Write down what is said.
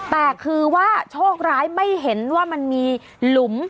แต่คือว่าโชคร้ายไม่เห็นว่ามันมีหลุม